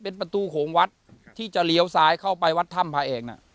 เป็นประตูโขงวัดที่จะเหลียวสายเข้าไปวัดธรรมภายแอกน่ะ